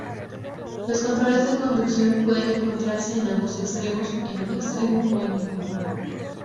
Los controles de conducción pueden encontrarse en ambos extremos, en un extremo, o ninguno.